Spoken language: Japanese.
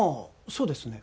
そうですね